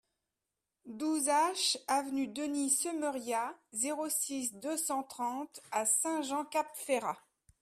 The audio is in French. douze H avenue Denis Semeria, zéro six, deux cent trente à Saint-Jean-Cap-Ferrat